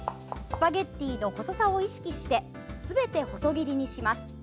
スパゲッティの細さを意識してすべて細切りにします。